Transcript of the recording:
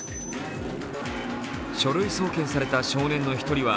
書類送検された少年の１人は